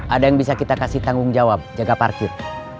ada yang bisa kita kasih tanggung jawab jaga parkir